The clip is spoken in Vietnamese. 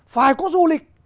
phải có du lịch